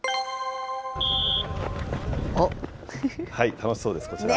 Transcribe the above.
楽しそうです、こちら。